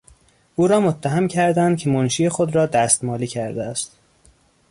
او را متهم کردند که منشی خود را دست مالی کرده است.